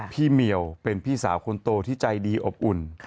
เหมียวเป็นพี่สาวคนโตที่ใจดีอบอุ่น